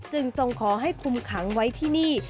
ทรงขอให้คุมขังไว้ที่นี่